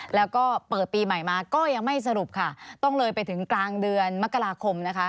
แล้วก็เปิดปีใหม่มาก็ยังไม่สรุปค่ะต้องเลยไปถึงกลางเดือนมกราคมนะคะ